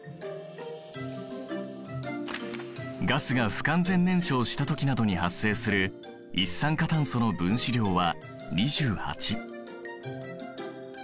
ガスが不完全燃焼したときなどに発生する一酸化炭素の分子量は２８。